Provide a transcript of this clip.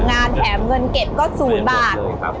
งานแถมเงินเก็บก็๐บาท